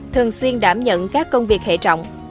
thường xuyên đảm nhận các công việc hệ trọng